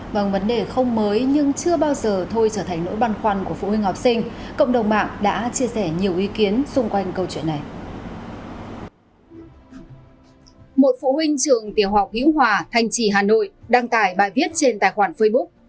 một phụ huynh trường tiểu học hữu hòa thanh trì hà nội đăng tải bài viết trên tài khoản facebook